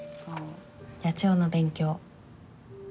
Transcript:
野鳥の勉強。